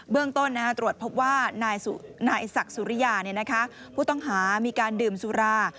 เรื่องต้นตรวจพบว่านายศักดิ์สุริยาผู้ต้องหามีการดื่มสุรา